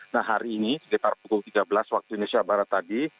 nah hari ini sekitar pukul tiga belas waktu indonesia barat tadi